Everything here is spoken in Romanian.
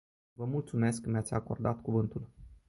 Vă mulțumesc că mi-ați acordat cuvântul.